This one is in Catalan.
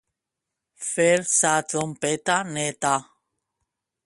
Fer sa trompeta neta.